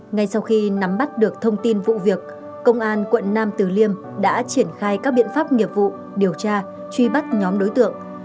ngay sau khi nắm bắt được thông tin vụ việc công an quận nam từ liêm đã triển khai các biện pháp nghiệp vụ điều tra truy bắt nhóm đối tượng